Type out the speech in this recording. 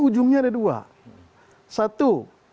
ujungnya ada dua satu